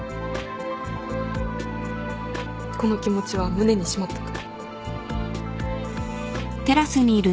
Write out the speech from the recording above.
この気持ちは胸にしまっとく。